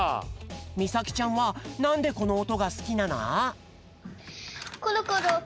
みさきちゃんはなんでこのおとがすきなの？